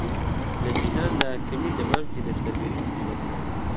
لە جیهاندا کەمی دەمامکی نەشتەرگەری بەدیدەکرا.